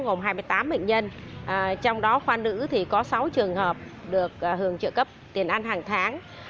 gồm hai mươi tám bệnh nhân trong đó khoa nữ thì có sáu trường hợp được hưởng trợ cấp tiền ăn hàng tháng